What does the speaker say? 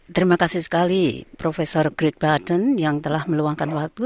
terima kasih sekali prof greg button yang telah meluangkan waktu